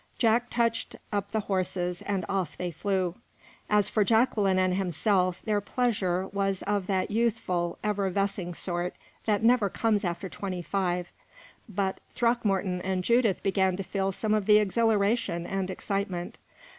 Jack touched up the horses, and off they flew. As for Jacqueline and himself, their pleasure was of that youthful, effervescing sort that never comes after twenty five; but Throckmorton and Judith began to feel some of the exhilaration and excitement.